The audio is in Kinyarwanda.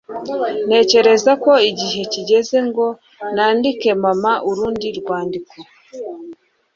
ntekereza ko igihe kigeze ngo nandike mama urundi rwandiko